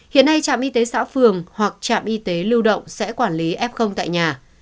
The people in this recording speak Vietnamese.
hiện nay trạm y tế xã phường hoặc trạm y tế lưu động sẽ quản lý f tại nhà